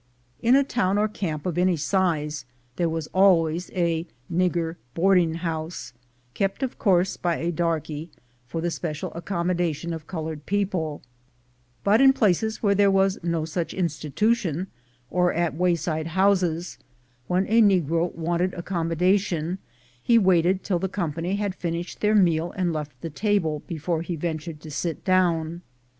In a town or camp of any size there was always a "nigger boarding house," kept, of course, by a darky, for the special accommodation of colored people; but in places where there was no such institution, or at wayside houses, when a negro wanted accommodation, he waited till the company had finished their meal and left the table before he ventured to sit down.